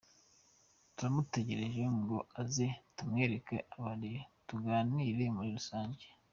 Turamutegereje ngo aze tumwereke aba-Rayons tunaganire muri rusange.